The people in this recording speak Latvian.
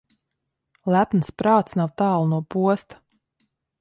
Lepns prāts nav tālu no posta.